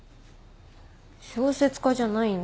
小説家じゃないんで。